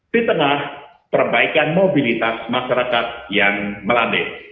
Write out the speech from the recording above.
di tengah perbaikan mobilitas masyarakat yang melandai